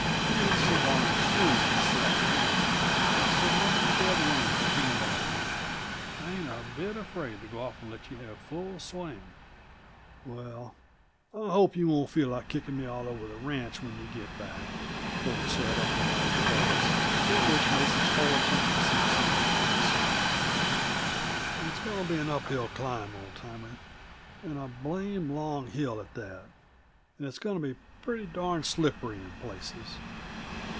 You ain't so darned sure of yourself now and so I'm dead willing to gamble on you. I ain't a bit afraid to go off and let you have full swing." "Well, I hope you won't feel like kicking me all over the ranch when you get back," Ford said, after a long pause, during which Mason's whole attention seemed centered upon his cigarette. "It's going to be an uphill climb, old timer and a blamed long hill at that. And it's going to be pretty darned slippery, in places."